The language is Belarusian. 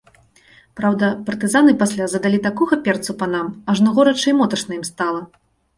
Праўда, партызаны пасля задалі такога перцу панам, ажно горача і моташна ім стала.